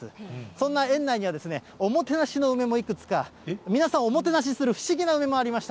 そんな園内には、おもてなしの梅もいくつか、皆さん、おもてなしする不思議な梅もありました。